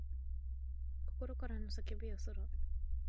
心からの叫びよそら